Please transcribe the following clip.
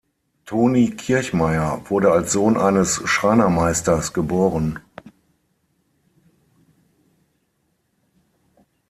Toni Kirchmayr wurde als Sohn eines Schreinermeisters geboren.